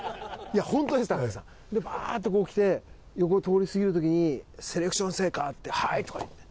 本当です貴明さん。でバーッとこう来て横を通り過ぎる時に「セレクション生か？」って「はい！」とか言って。